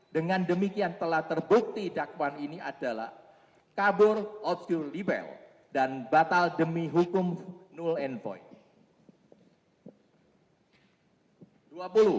dengan demikian telah terbukti dakwaan ini adalah kabur outscure libel dan batal demi hukum null and voice